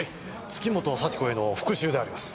月本幸子への復讐であります。